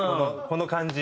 この感じ。